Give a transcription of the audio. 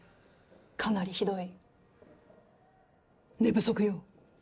かなりひどい寝不足よ。